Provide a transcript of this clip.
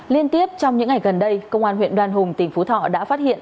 liên tiếp trong những ngày gần đây công an huyện đoan hùng tỉnh phú thọ đã phát hiện